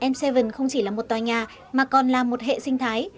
m bảy không chỉ là một tòa nhà mà còn là một hệ sinh thái